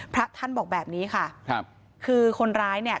พระท่านบอกแบบนี้ค่ะครับคือคนร้ายเนี่ย